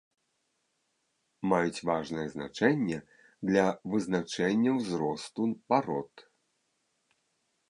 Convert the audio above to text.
Маюць важнае значэнне для вызначэння ўзросту парод.